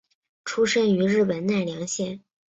出身于日本奈良县。